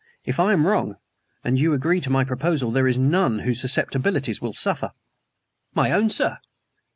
If I am wrong, and you agree to my proposal, there is none whose susceptibilities will suffer " "My own, sir!"